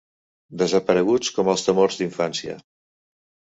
Desapareguts com els temors d'infància.